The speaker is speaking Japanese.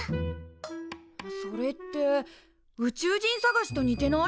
それって宇宙人探しと似てない？